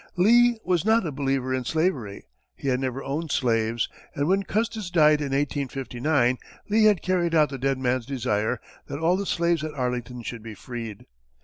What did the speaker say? Lee was not a believer in slavery; he had never owned slaves, and when Custis died in 1859, Lee had carried out the dead man's desire that all the slaves at Arlington should be freed.